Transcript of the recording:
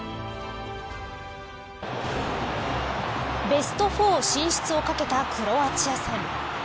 ベスト４進出をかけたクロアチア戦。